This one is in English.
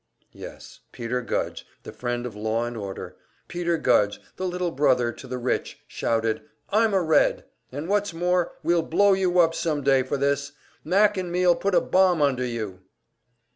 Yes, Peter Gudge, the friend of law and order, Peter Gudge, the little brother to the rich, shouted, "I'm a Red, and what's more, we'll blow you up some day for this Mac and me'll put a bomb under you!"